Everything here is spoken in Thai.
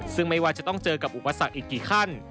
ซึ่งไม่ว่าจะต้องเจอกับอุปสรรคอีกกี่ขั้น